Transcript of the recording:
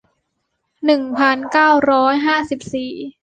หนึ่งพันเก้าร้อยห้าสิบสี่